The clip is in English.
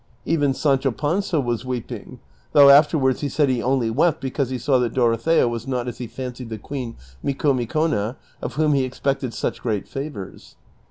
Even Sancho Panza was weeping ; though afterwards he said he only wept because he saw that Dorothea was not as he fancied the queen Micomicona, of whom he expected such great favors.